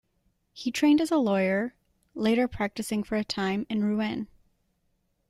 He trained as a lawyer, later practising for a time in Rouen.